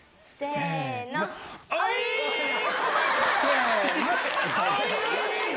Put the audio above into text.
せの！